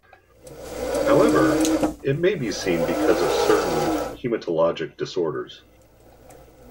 However, it may be seen because of certain hematologic disorders.